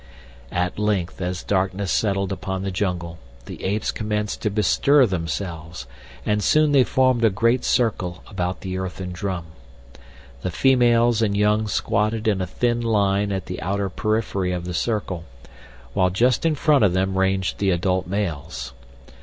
At length as darkness settled upon the jungle the apes commenced to bestir themselves, and soon they formed a great circle about the earthen drum. The females and young squatted in a thin line at the outer periphery of the circle, while just in front of them ranged the adult males.